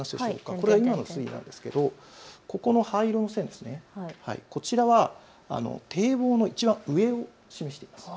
これ今の水位なんですけれどこの灰色の線、こちらは堤防のいちばん上を示しています。